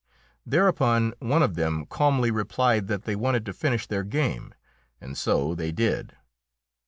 Thereupon one of them calmly replied that they wanted to finish their game and so they did.